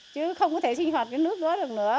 chứ không có thể sinh hoạt cái nước đó được nữa